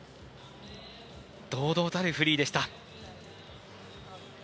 堂々たるフリーでした。